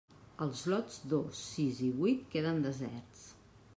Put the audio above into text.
Els lots dos, sis i vuit queden deserts.